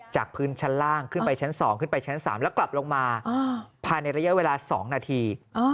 จากพื้นชั้นล่างขึ้นไปชั้น๒ขึ้นไปชั้น๓แล้วกลับลงมาภายในระยะเวลา๒นาที